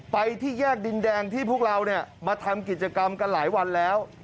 ไปที่แยกดินแดงที่พวกเรามาทำกิจกรรมกันหลายวันแล้ว